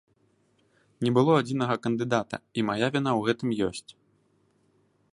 Не было адзінага кандыдата, і мая віна ў гэтым ёсць.